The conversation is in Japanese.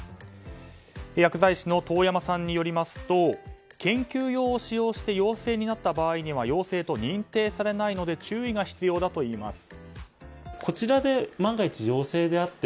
薬剤師の遠山さんによりますと研究用を使用して陽性になった場合には陽性と認定されないので注意が必要だといいます。